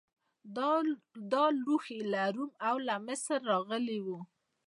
دا لوښي له روم او مصر راغلي وو